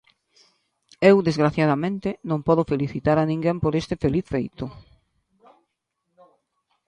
Eu, desgraciadamente, non podo felicitar a ninguén por este feliz feito.